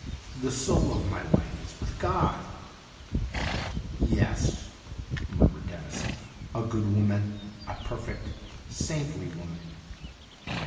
'' The soul of my wife is with God '' Yes/ murmured Dennison, ' a good woman, a perfect, saintly woman.'